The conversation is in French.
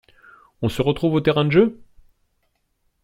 On se retrouve au terrain de jeu?